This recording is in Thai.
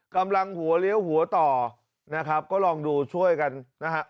กำลังหัวเลี้ยวหัวต่อนะครับก็ลองดูช่วยกันนะฮะ